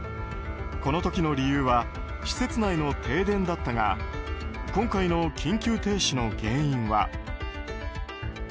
この時の理由は施設内の停電だったが今回の緊急停止の原因は。